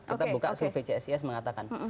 kita buka survei csis mengatakan